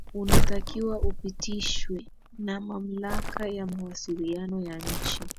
unatakiwa upitishwe na mamlaka ya mawasiliano ya nchi